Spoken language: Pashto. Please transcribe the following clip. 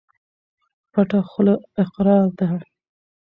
پټه خوله اقرار ده.